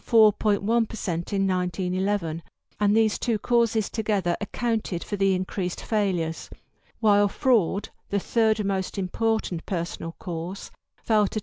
1 per cent in 1911, and these two causes together accounted for the increased failures; while fraud, the third most important personal cause, fell to 10.